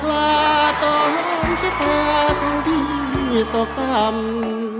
คนละจะกลาตอนจะเกิดผู้ดีตกตำ